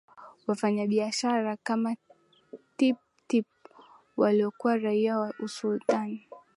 Wafanyabiashara kama Tippu Tip waliokuwa raia wa Usultani